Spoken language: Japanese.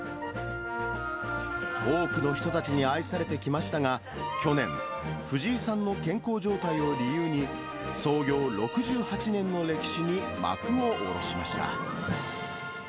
多くの人たちに愛されてきましたが、去年、藤井さんの健康状態を理由に、創業６８年の歴史に幕を下ろしました。